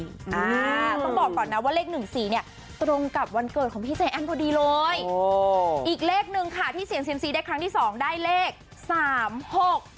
อ่าต้องบอกก่อนนะว่าเลขหนึ่งสี่เนี้ยตรงกับวันเกิดของพี่ใจแอ้นพอดีเลยโอ้อีกเลขหนึ่งค่ะที่เสี่ยงเซียมซีได้ครั้งที่สองได้เลขสามหก